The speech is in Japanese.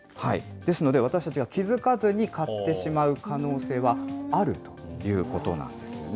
ですので、私たちは気付かずに買ってしまう可能性はあるということなんですよね。